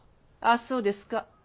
ああそうですか。